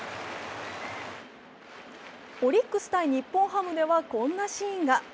オリックス×日本ハムではこんなシーンが。